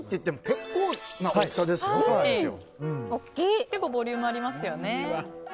結構ボリュームありますよね。